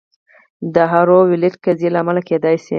دا د هارو ویلډ قضیې له امله کیدای شي